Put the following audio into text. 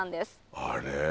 あれ？